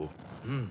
うん。